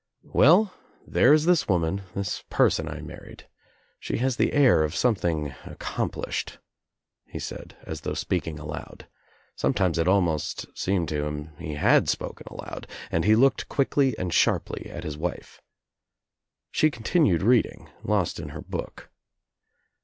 "Well, there is this woman, this person I married, I she has the air of something accomplished," he said, as though speaking aloud. Sometimes it almost seemed to him he had spoken aloud and he looked quickly and sharply at his wife. She continued read ing, lost in her book.